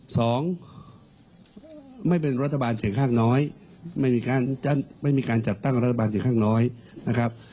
สองไม่เป็นรัฐบาลเสียงฆ่าน้อยไม่มีการจัดตั้งรัฐบาลเสียงฆ่าน้อยนะครับ